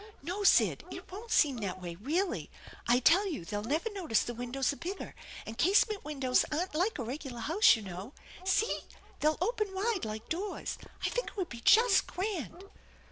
" No, Sid, it won't seem that way, really. I tell you they'll never notice the windows are bigger, and casement windows aren't like a regular house, you know. See, they'll open wide like doors. I think it would be just grand